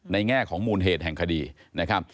แง่ของมูลเหตุแห่งคดีนะครับ